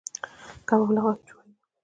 کباب له کومې غوښې جوړیږي؟